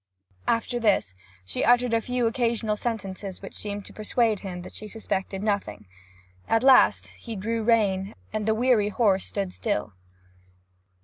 After this she uttered a few occasional sentences which seemed to persuade him that she suspected nothing. At last he drew rein, and the weary horse stood still.